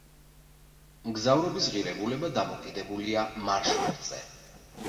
მგზავრობის ღირებულება დამოკიდებულია მარშრუტზე.